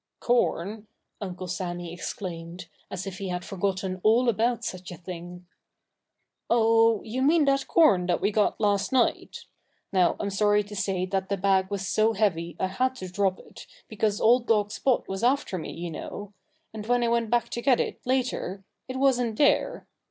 "Corn!" Uncle Sammy exclaimed, as if he had forgotten all about such a thing. "Oh! you mean that corn that we got last night. Now, I'm sorry to say that the bag was so heavy I had to drop it, because old dog Spot was after me, you know. And when I went back to get it, later, it wasn't there....